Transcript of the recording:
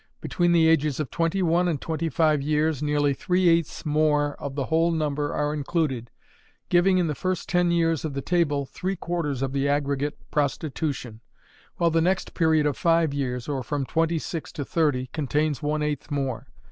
Between the ages of twenty one and twenty five years nearly three eighths more of the whole number are included, giving in the first ten years of the table three quarters of the aggregate prostitution, while the next period of five years, or from twenty six to thirty, contains one eighth more.